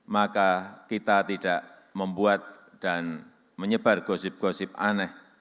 maka kita tidak membuat dan menyebar gosip gosip aneh